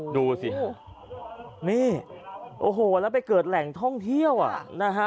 ดูสิฮะนี่โอ้โหแล้วไปเกิดแหล่งท่องเที่ยวอ่ะนะฮะ